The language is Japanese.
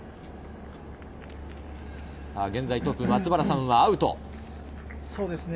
現在トップ、松原さんはアウト。